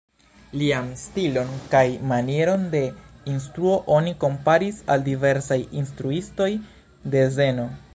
Lian stilon kaj manieron de instruo oni komparis al diversaj instruistoj de zeno.